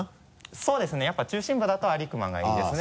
そうですねやっぱ中心部だと安里隈がいいですね。